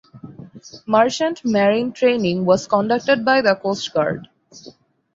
Merchant Marine training was conducted by the Coast Guard.